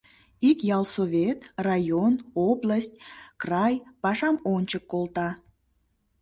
Ик ялсовет, район, область, край пашам ончык колта.